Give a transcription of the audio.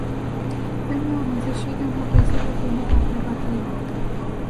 فیلم آموزشی در مقایسه با فیلم تبلیغاتی